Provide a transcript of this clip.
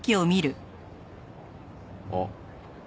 あっ。